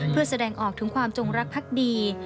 เพื่อแสดงออกถึงความจงรักพักดี